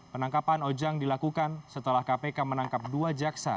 penangkapan ojang dilakukan setelah kpk menangkap dua jaksa